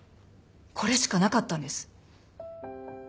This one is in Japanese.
これしかなかったんです。